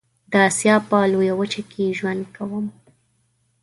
د آسيا په لويه وچه کې ژوند کوم.